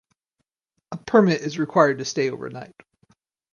A permit is required to stay overnight.